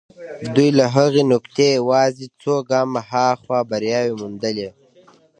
دوی له هغې نقطې يوازې څو ګامه هاخوا برياوې موندلې.